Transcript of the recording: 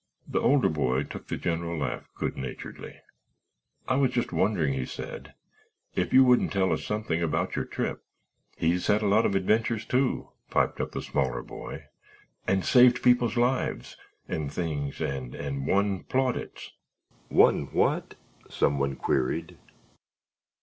The older boy took the general laugh good naturedly. "I was just wondering," he said, "if you wouldn't tell us something about your trip." "He's had a lot of adventures, too," piped up the smaller boy, "and saved people's lives—and things—and won plaudits——" "Won what?" someone queried.